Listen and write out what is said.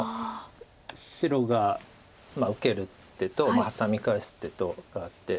白が受ける手とハサミ返す手とがあって。